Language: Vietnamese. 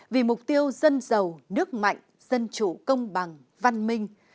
vì mục tiêu dân giàu nước mạnh dân chủ công bằng văn minh